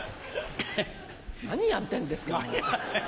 何やってんですか。